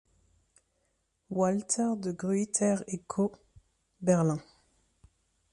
Walter de Gruyter & Co., Berlin.